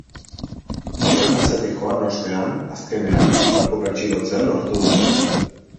Horren atzetik joan ostean, azkenean, lapurra atxilotzea lortu dute.